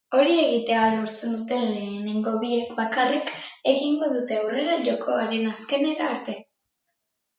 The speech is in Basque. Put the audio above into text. Hori egitea lortzen duten lehenengo biek bakarrik egingo dute aurrera jokoan azkenera arte.